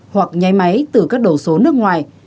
hoặc nháy máy từ các đầu số nước ngoài